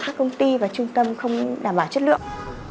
các công ty và trung tâm không đảm bảo chất lượng